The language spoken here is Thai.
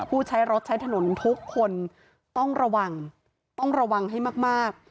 ผู้ใช้รถใช้ถนนทุกคนต้องระวังต้องระวังให้มาก